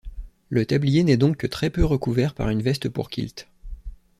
Le tablier n'est donc que très peu recouvert par une veste pour kilt.